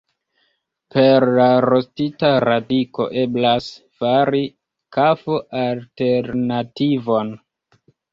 Per la rostita radiko eblas fari kafo-alternativon.